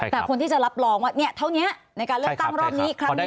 แต่คนที่จะรับรองว่าเท่านี้ในการเลือกตั้งรอบนี้ครั้งนี้